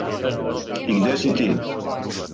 И где си ти?